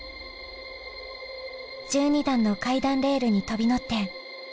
１２段の階段レールに飛び乗って。